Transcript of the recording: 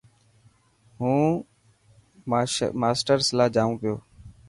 هون ماشرس لاءِ جائون پيو.